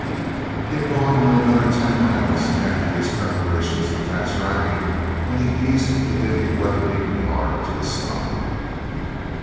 He had gone only another ten miles after these preparations for fast driving, when he eased the big weatherbeaten car to a stop.